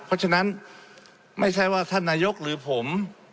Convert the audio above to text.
เพราะฉะนั้นไม่ใช่ว่าท่านนายกหรือผม